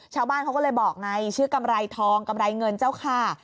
ชาวบ้านเขาก็เลยบอกไงชื่อกำไรทองกำไรเงินเจ้าค่า